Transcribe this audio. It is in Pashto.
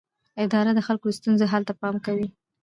اداره د خلکو د ستونزو حل ته پام کوي.